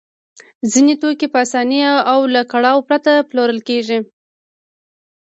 ځینې توکي په اسانۍ او له کړاوه پرته پلورل کېږي